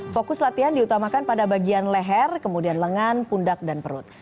fokus latihan diutamakan pada bagian leher kemudian lengan pundak dan perut